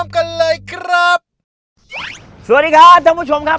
กันเลยครับสวัสดีครับท่านผู้ชมครับ